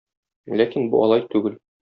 Ләкин бу алай түгел.